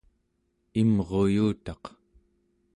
imruyutaq